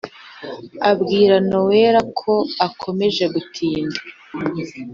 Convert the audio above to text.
abwira nowela ko akomeje gutinda